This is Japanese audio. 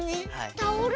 タオル？